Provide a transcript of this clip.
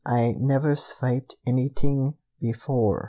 Ay never sviped anyt'ing before!"